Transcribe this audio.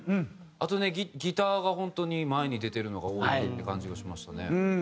あとねギターが本当に前に出てるのが多いっていう感じがしましたね。